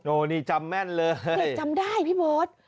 โอ้นี่จำแม่นเลยเด็กจำได้พี่โบ๊ท